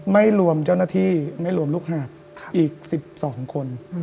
ไม่รวมเจ้าหน้าที่ไม่รวมลูกหาดอีก๑๒คน